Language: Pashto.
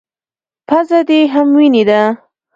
_پزه دې هم وينې ده.